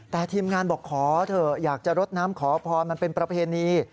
แต่ทีมงานบอกขอเถอะอยากจะรดน้ำขอพรมันเป็นประเพณี